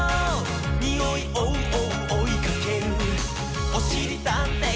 「におい追う追う追いかける」「おしりたんてい